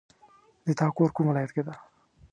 د تا کور کوم ولایت کې ده